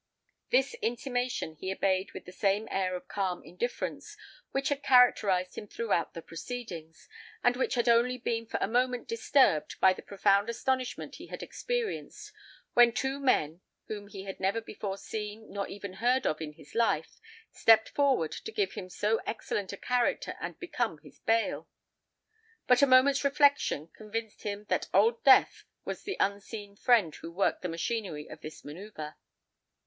This intimation he obeyed with the same air of calm indifference which had characterized him throughout the proceedings, and which had only been for a moment disturbed by the profound astonishment he had experienced when two men, whom he had never before seen nor even heard of in his life, stepped forward to give him so excellent a character and become his bail. But a moment's reflection convinced him that Old Death was the unseen friend who worked the machinery of this manœuvre.